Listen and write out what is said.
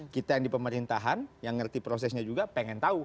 kita yang di pemerintahan yang ngerti prosesnya juga pengen tahu